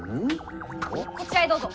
こちらへどうぞ。